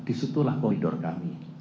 disitulah koridor kami